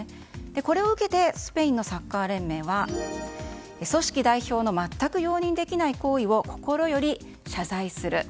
これを受けてスペインのサッカー連盟は組織代表の全く容認できない行為を心より謝罪する。